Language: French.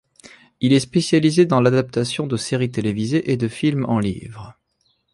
Il est spécialisé dans l'adaptation de série télévisée et de film en livre.